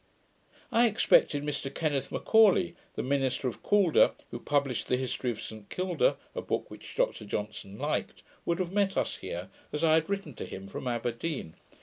I expected Mr Kenneth M'Aulay, the minister of Calder, who published the history of St Kilda, a book which Dr Johnson liked, would have met us here, as I had written to him from Aberdeen.